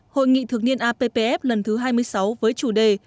hội nghị thượng niên appf lần thứ hai mươi sáu với chủ đề